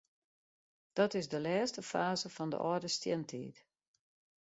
Dat is de lêste faze fan de âlde stientiid.